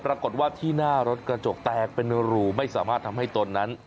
ปรากฏว่าที่หน้ารถกระจกแตกเป็นรูไม่สามารถทำให้ตนนั้น